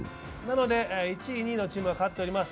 １位、２位のチームが勝っています。